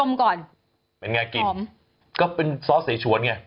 เป็นยังไงกินก็เป็นซอสเสชวนไง